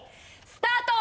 スタート！